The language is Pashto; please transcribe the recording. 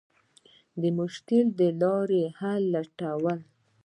د مشکل د حل لارې لټول.